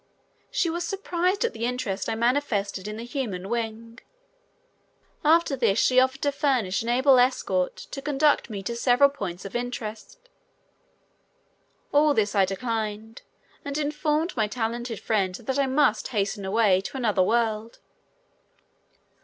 She was surprised at the interest I manifested in the human wing. After this she offered to furnish an able escort to conduct me to several points of interest. All this I declined and informed my talented friend that I must hasten away to another world.